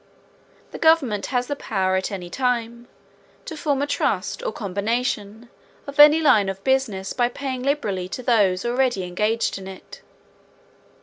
The government has the power at any time to form a trust or combination of any line of business by paying liberally to those already engaged in it.